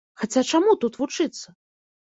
Хаця чаму тут вучыцца?